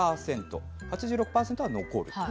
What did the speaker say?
８６％は残ると。